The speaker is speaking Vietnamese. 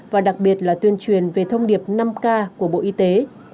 và đặc biệt là tuyên truyền về thông điệp năm k của bộ y tế